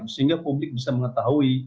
sehingga publik bisa mengetahui